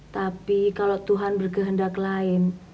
tapi kalau tuhan berkehendak lain